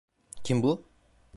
Kim bu?